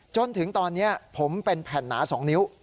จนถึงตอนนี้ผมเป็นแผ่นหนา๒นิ้ว